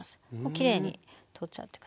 きれいに取っちゃって下さい。